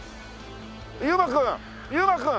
悠馬くん悠馬くん！